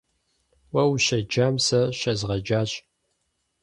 Уэ ущеджам сэ щезгъэджащ.